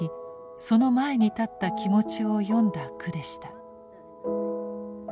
その前に立った気持ちを詠んだ句でした。